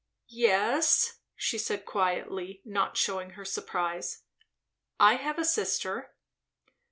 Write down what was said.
"Yes," she said quietly, not shewing her surprise. "I have a sister."